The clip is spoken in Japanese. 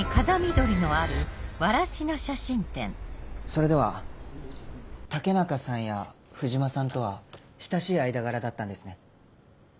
それでは武中さんや藤間さんとは親しい間柄だったんですね？